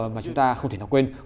mà chúng ta không thể nào quên